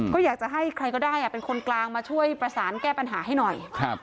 ก็อยากจะให้ใครก็ได้เป็นคนกลางมาช่วยประสานแก้ปัญหาให้หน่อย